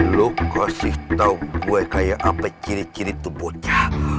lo kasih tau gue kaya apa ciri ciri tuh bocah